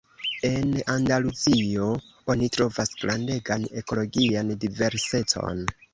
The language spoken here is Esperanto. En Andaluzio, oni trovas grandegan ekologian diversecon.